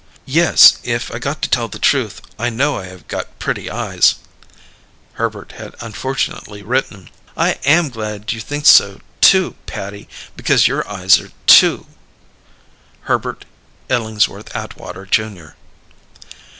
"Yes if I got to tell the truth I know I have got pretty eyes," Herbert had unfortunately written. "I _am glad you think so too Patty because your eyes are too Herbert Illingsworth Atwater, Jr.